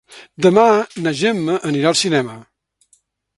Demà na Gemma anirà al cinema.